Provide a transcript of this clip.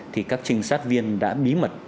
thì các trinh sát viên đã bí mật